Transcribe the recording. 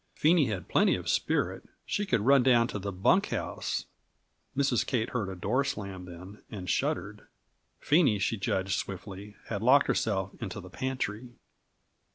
Phenie had plenty of spirit; she could run down to the bunk house Mrs. Kate heard a door slam then, and shuddered. Phenie, she judged swiftly, had locked herself into the pantry.